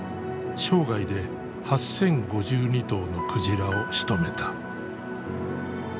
生涯で８，０５２頭の鯨をしとめた。